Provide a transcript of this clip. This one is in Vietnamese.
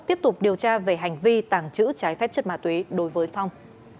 tiếp tục điều tra về hành vi tàng trữ trái phép chất ma túy đối với phong